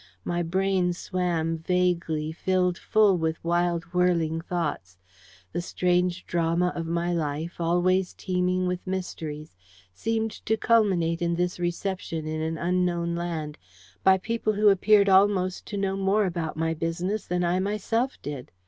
My brain swam vaguely, filled full with wild whirling thoughts; the strange drama of my life, always teeming with mysteries, seemed to culminate in this reception in an unknown land by people who appeared almost to know more about my business than I myself did.